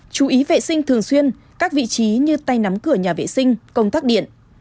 chú ý vệ sinh thường xuyên các vị trí như tay nắm cửa nhà vệ sinh công tắc điện